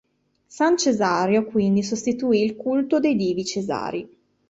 San Cesario, quindi, sostituì il culto dei Divi Cesari.